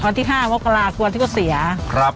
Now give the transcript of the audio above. อ๋อนี่ค่ะ